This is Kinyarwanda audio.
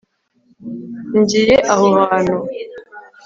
ngiye aho hantu